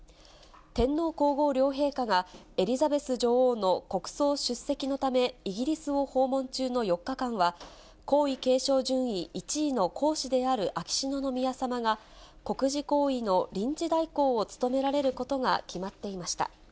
天皇皇后両陛下が、エリザベス女王の国葬出席のためイギリスを訪問中の４日間は、皇位継承順位１位の皇嗣である秋篠宮さまが、国事行為の臨時代行を務められることが決まっていました。